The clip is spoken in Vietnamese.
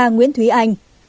ba nguyễn thúy anh